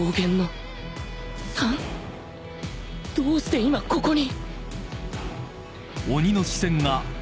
どうして今ここに